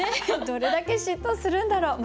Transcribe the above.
どれだけ嫉妬するんだろう？